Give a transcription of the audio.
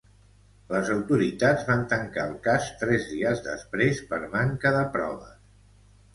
Les autoritats van tancar el cas tres dies després per manca de proves.